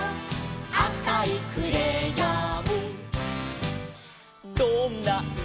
「あおいクレヨン」